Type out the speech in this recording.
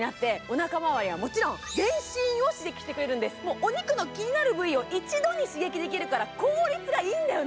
お肉の気になる部位を一度に刺激できるから効率いいんだよね。